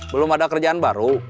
belum ada kerjaan baru